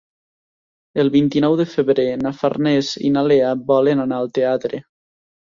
El vint-i-nou de febrer na Farners i na Lea volen anar al teatre.